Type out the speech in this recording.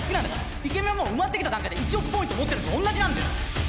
イケメンはもう、生まれてきた段階で１億ポイント持ってるのと同じなんだよ。